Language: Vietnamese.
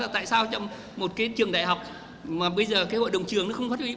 tại sao trong một trường đại học mà bây giờ hội đồng trường không phát triển